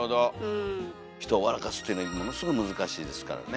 人を笑かすというのはものすごい難しいですからね。